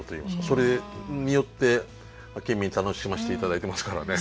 それによって県民楽しませて頂いてますからね。